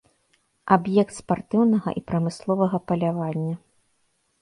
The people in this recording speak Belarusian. Аб'ект спартыўнага і прамысловага палявання.